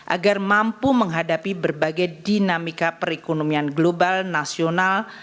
agar mampu menghadapi berbagai dinamika perekonomian global nasional